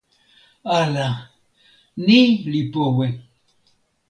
ala! ni li powe!